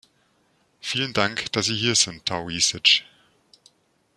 Vielen Dank, dass Sie hier sind, Taoiseach.